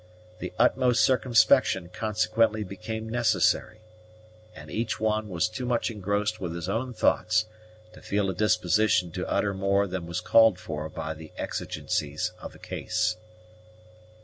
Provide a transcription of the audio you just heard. The utmost circumspection consequently became necessary, and each one was too much engrossed with his own thoughts to feel a disposition to utter more than was called for by the exigencies of the case.